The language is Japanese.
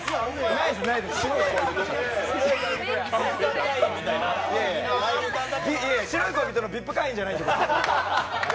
ないです白い恋人のＶＩＰ会員じゃないんで。